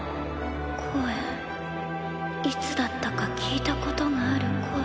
声いつだったか聞いたことがある声。